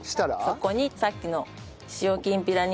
そこにさっきの塩きんぴら